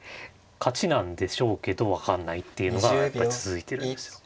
勝ちなんでしょうけど分かんないっていうのがやっぱり続いてるんですよ。